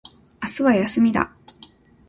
明日は休みだ。